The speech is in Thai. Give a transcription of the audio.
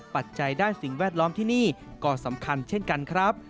ปัจจัยด้านสิ่งแวดล้อมที่นี่ก็สำคัญเช่นกันครับ